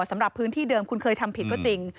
สำหรับพื้นที่เดิมคุณเคยทำผิดก็จริง